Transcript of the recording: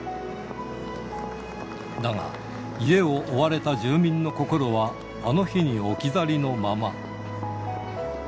だが、家を追われた住民の心は、あの日に置き去りのまま。